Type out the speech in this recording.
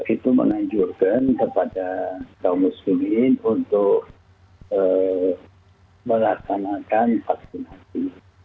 itu menganjurkan kepada kaum muslimin untuk melaksanakan vaksinasi